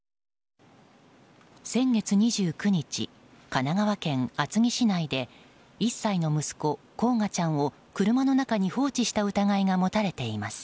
先月２９日、神奈川県厚木市内で１歳の息子、煌翔ちゃんを車の中に放置した疑いが持たれています。